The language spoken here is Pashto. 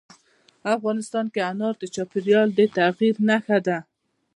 افغانستان کې انار د چاپېریال د تغیر نښه ده.